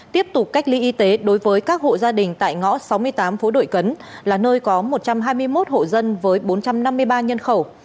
tiếp tục cách ly y tế đối với các hộ gia đình tại ngõ sáu mươi tám phố đội cấn là nơi có một trăm hai mươi một hộ dân với bốn trăm năm mươi ba nhân khẩu